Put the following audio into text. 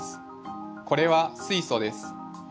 これは水素です。